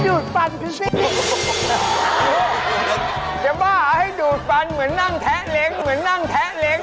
อย่าบ้าอย่าให้ดูดฟันเหมือนนั่งแท้เลง